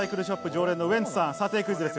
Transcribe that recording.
常連のウエンツさん、査定クイズです。